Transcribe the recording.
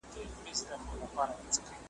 له خوشحال خان خټک څخه تر احمدشاه بابا `